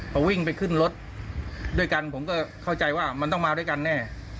พอวิ่งไปขึ้นรถด้วยกันผมก็เข้าใจว่ามันต้องมาด้วยกันแน่